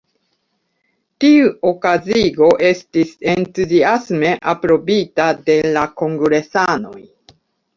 Tiu okazigo estis entuziasme aprobita de la kongresanoj.